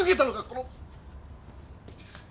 この！